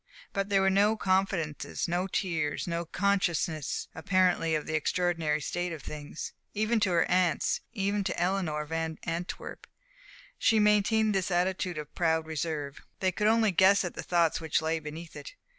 But there were no confidences, no tears, no consciousness apparently of the extraordinary state of things. Even to her aunts, even to Eleanor Van Antwerp, she maintained this attitude of proud reserve. They could only guess at the thoughts which lay beneath it.